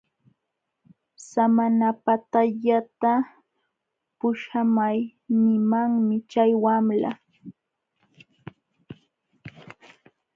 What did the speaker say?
Samanapatallata puśhamay nimanmi chay wamla.